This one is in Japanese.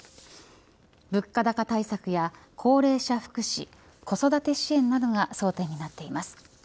物価高対策や高齢者福祉子育て支援などが争点になっています。